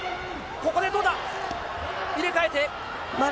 ここで、どうだ。